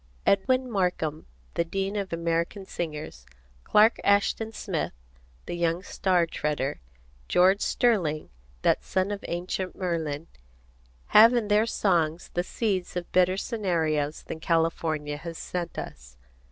Edwin Markham, the dean of American singers, Clark Ashton Smith, the young star treader, George Sterling, that son of Ancient Merlin, have in their songs the seeds of better scenarios than California has sent us.